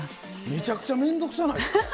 めちゃくちゃ面倒くさないすか？